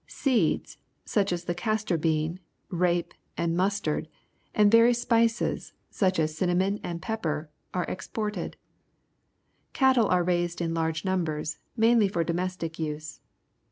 Seeds^such as thexas=. t_ojJieaii, rape, and mustard^ and various spices , such as cinnamon and pgEP^r., are ex ported. Cattle are raised in large numbers, mainly for~3omestic use.